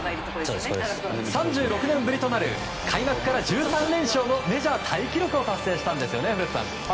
３６年ぶりとなる開幕から１３連勝のメジャータイ記録を達成したんですよね、古田さん。